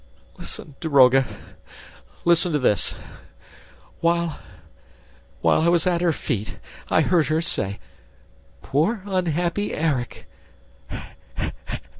... Listen, daroga ... listen to this ... While I was at her feet ... I heard her say, 'Poor, unhappy Erik!'